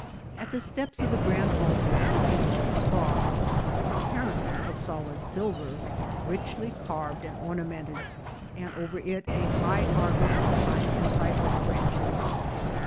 At the steps of the grand altar stood a large cross, apparently of solid silver, richly carved and ornament ed, and over it a high arbour of pine and cypress branches.